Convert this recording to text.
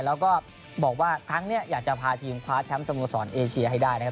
แล้วก็บอกว่าครั้งนี้อยากจะพาทีมคว้าแชมป์สโมสรเอเชียให้ได้นะครับ